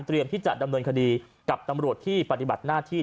ที่จะดำเนินคดีกับตำรวจที่ปฏิบัติหน้าที่